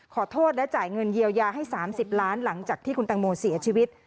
ขอโทษและจ่ายเงินเยียวยาให้๓๐ล้านหลังจากที่คุณตังโมเสียชีวิต